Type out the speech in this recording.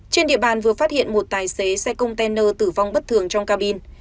trên địa bàn vừa phát hiện một tài xế xe container tử vong bất thường trong cabin